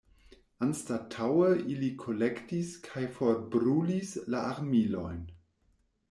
Anstataŭe ili kolektis kaj forbrulis la armilojn.